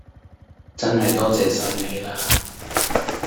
真系多謝晒你啦